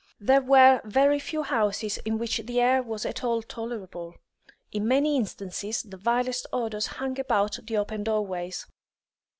There were very few houses in which the air was at all tolerable; in many instances the vilest odours hung about the open door ways.